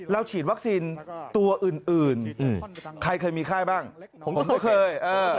แล้วฉีดวัคซีนตัวอื่นใครเคยมีไข้บ้างผมไม่เคย